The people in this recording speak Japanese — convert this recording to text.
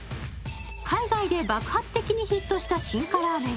海外で爆発的にヒットした進化ラーメン。